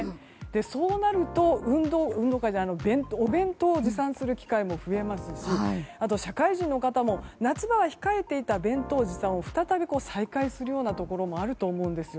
そうなるとお弁当を持参する機会も増えますしあと、社会人の方も夏場は控えていた弁当持参を再び再開するようなところもあると思うんです。